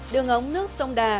đường ống nước sông đà